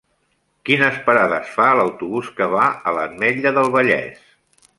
Quines parades fa l'autobús que va a l'Ametlla del Vallès?